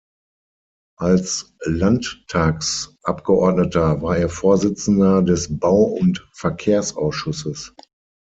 Als Landtagsabgeordneter war er Vorsitzender des Bau- und Verkehrsausschusses.